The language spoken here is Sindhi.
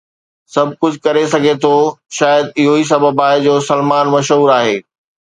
سڀ ڪجهه ڪري سگهي ٿو، شايد اهو ئي سبب آهي جو سلمان مشهور آهي